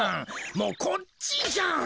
もうこっちじゃん！